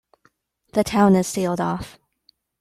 The town is sealed off.